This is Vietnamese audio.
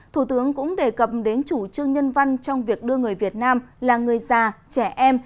thủ tướng cũng đề cập đến chủ trương nhân văn trong việc đưa người việt nam là người già trẻ em